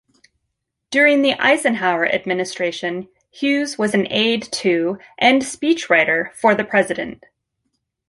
During the Eisenhower administration, Hughes was an aide to and speechwriter for the president.